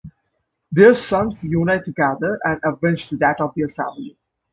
Their sons unite together and avenge the death of their family.